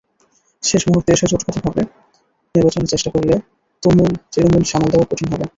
শেষ মুহূর্তে এসে জোটগতভাবে নির্বাচনের চেষ্টা করলে তৃণমূল সামাল দেওয়া কঠিন হবে।